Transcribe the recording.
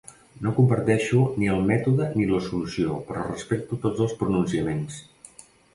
No comparteixo ni el mètode ni la solució, però respecto tots els pronunciaments.